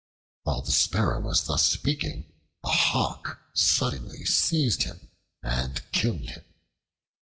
While the Sparrow was thus speaking, a hawk suddenly seized him and killed him.